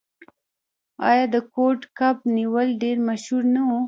آیا د کوډ کب نیول ډیر مشهور نه و؟